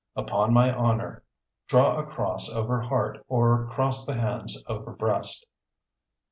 Upon my honor (Draw a cross over heart or cross the hands over breast).